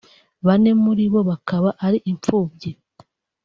bane muri bo bakaba ari impfubyi